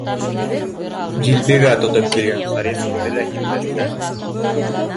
Дилбегә тотоп килгән Харис, үҙе лә һиҙмәҫтән: